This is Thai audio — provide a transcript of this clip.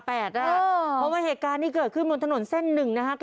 เพราะว่าเหตุการณ์นี้เกิดขึ้นบนถนนเส้น๑นะฮะ